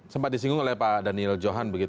sempat disinggung oleh pak daniel johan